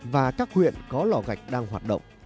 và các huyện có lò gạch đang hoạt động